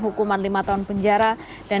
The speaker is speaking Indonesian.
hukuman lima tahun penjara dan